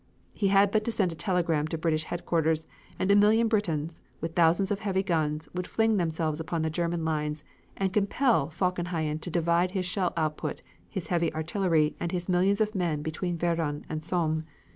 He had but to send a telegram to British Headquarters, and a million Britons, with thousands of heavy guns, would fling themselves upon the German lines and compel Falkenhayn to divide his shell output, his heavy artillery, and his millions of men between Verdun and the Somme.